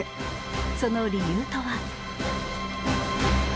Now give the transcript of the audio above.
その理由とは。